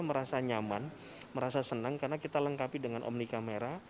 merasa nyaman merasa senang karena kita lengkapi dengan omni kamera